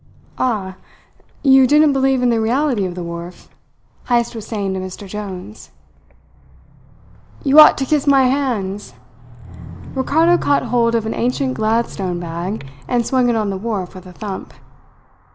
"Ah! You didn't believe in the reality of the wharf?" Heyst was saying to Mr. Jones. "You ought to kiss my hands!" Ricardo caught hold of an ancient Gladstone bag and swung it on the wharf with a thump.